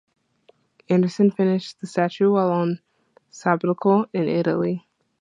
Anderson finished the statue while on sabbatical in Italy.